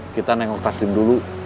kita nengok taslim dulu